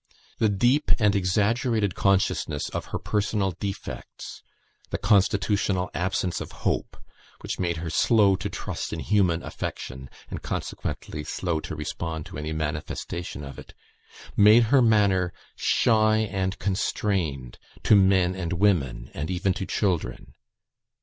The deep and exaggerated consciousness of her personal defects the constitutional absence of hope, which made her slow to trust in human affection, and, consequently, slow to respond to any manifestation of it made her manner shy and constrained to men and women, and even to children.